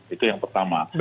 itu yang pertama